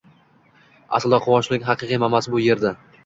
Aslida quvonchning haqiqiy manbai bu erda.